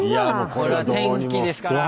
これは天気ですから。